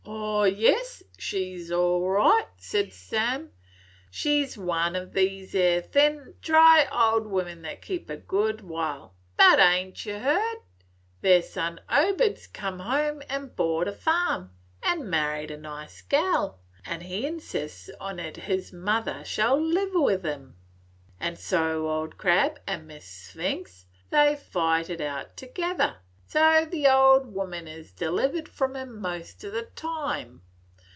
"O yis, she 's all right," said Sam; "she 's one o' these 'ere little thin, dry old women that keep a good while. But ain't ye heerd? their son Obid's come home an' bought a farm, an' married a nice gal, and he insists on it his mother shall live with him. An' so Old Crab and Miss Sphyxy, they fight it out together. So the old woman is delivered from him most o' the time.